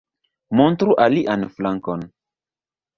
Montru alian flankon